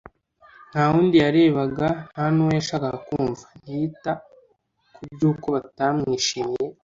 Nta wundi yarebaga nta n'uwo yashakaga kumva. Ntiyita ku by'uko batamwishimiye.